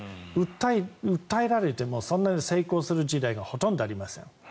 訴えられてもそんなに成功する事例がほとんどありません。